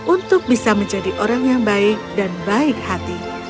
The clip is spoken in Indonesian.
untuk bisa menjadi orang yang baik dan baik hati